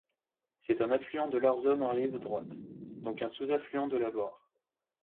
C'est un affluent de l'Arzon en rive droite, donc un sous-affluent de la Loire.